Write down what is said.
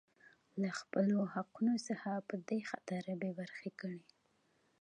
لـه خـپـلو حـقـونـو څـخـه پـه دې خاطـر بـې بـرخـې کـړي.